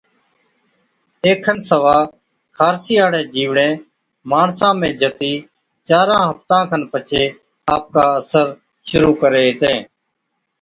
اي کن سِوا خارسِي هاڙين جِيوڙين ماڻسا ۾ جتِي چاران هفتان کن پڇي آپڪا اثر شرُوع ڪري هِتين